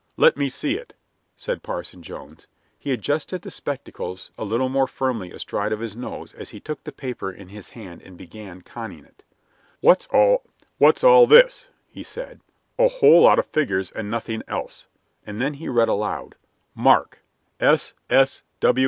"Let me see it," said Parson Jones. He adjusted the spectacles a little more firmly astride of his nose as he took the paper in his hand and began conning it. "What's all this?" he said; "a whole lot of figures and nothing else." And then he read aloud, "'Mark S. S.